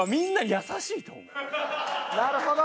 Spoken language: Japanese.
なるほど！